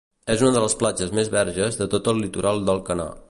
És una de les platges més verges de tot el litoral d'Alcanar.